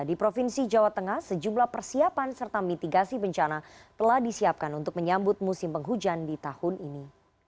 di provinsi jawa tengah sejumlah persiapan serta mitigasi bencana telah disiapkan untuk menyambut musim penghujan di tahun ini